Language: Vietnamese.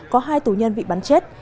có hai tù nhân bị bắn chết